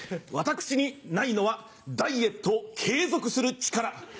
私にないのはダイエットを継続する力。